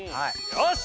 よし！